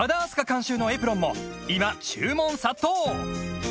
監修のエプロンも今注文殺到！